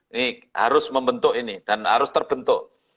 ini harus membentuk ini dan harus terbentuk